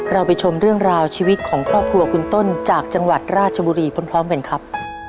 เราไปชมเรื่องราวชีวิตของครอบครัวคุณต้นจากจังหวัดราชบุรีพร้อมกันครับ